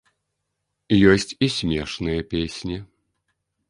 Ёсць і смешныя песні.